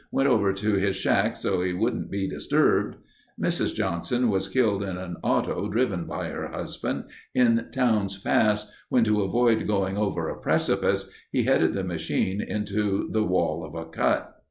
Went over to his shack so he wouldn't be disturbed...." Mrs. Johnson was killed in an auto driven by her husband in Towne's Pass when, to avoid going over a precipice, he headed the machine into the wall of a cut.